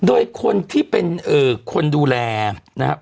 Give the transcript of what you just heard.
โดยคนที่เป็นคนดูแลนะครับ